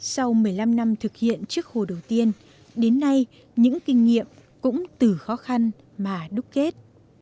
sau một mươi năm năm thực hiện chiếc hồ đầu tiên đến nay những kinh nghiệm cũng từ khó khăn mà đúc kết